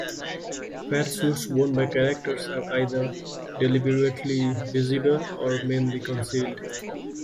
Fatsuits worn by characters are either deliberately visible or mainly concealed.